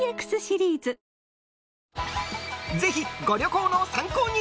ぜひ、ご旅行の参考に。